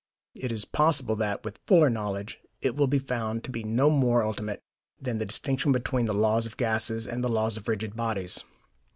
It is possible that, with fuller knowledge, it will be found to be no more ultimate than the distinction between the laws of gases and the laws of rigid bodies.